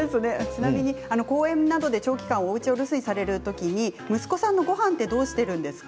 公演などで長期間おうちを留守にする時息子さんのごはんどうするんですか？